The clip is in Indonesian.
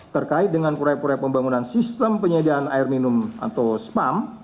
terkait dengan proyek proyek pembangunan sistem penyediaan air minum atau spam